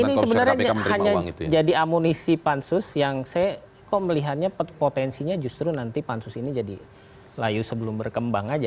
ini sebenarnya hanya jadi amunisi pansus yang saya kok melihatnya potensinya justru nanti pansus ini jadi layu sebelum berkembang aja